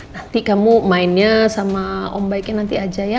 nanti kamu mainnya sama om baiknya nanti aja ya